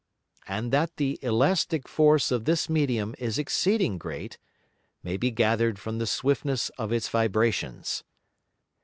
And that the elastick force of this Medium is exceeding great, may be gather'd from the swiftness of its Vibrations.